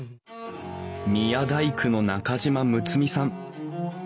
宮大工の中島睦巳さん。